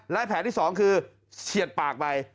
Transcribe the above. และแผลที่๒คือเฉียดปากไป